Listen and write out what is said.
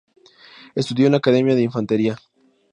Estudió en la Academia de Infantería.